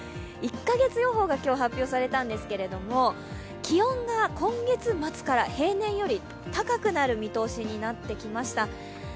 １カ月予報が今日発表されたんですけれども気温が今月末から平年より高くなる見通しになってきました。